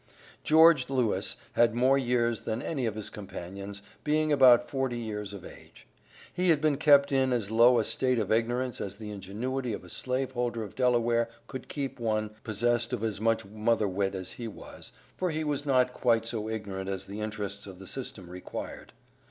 George Lewis had more years than any of his companions, being about forty years of age. He had been kept in as low a state of ignorance as the ingenuity of a slave holder of Delaware could keep one possessed of as much mother wit as he was, for he was not quite so ignorant as the interests of the system required.